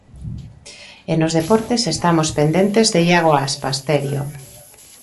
E nos deportes, estamos pendentes de Iago Aspas, Terio.